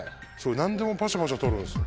何でもパシャパシャ撮るんすよ。